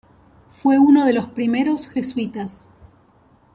Fue uno de los primeros jesuitas.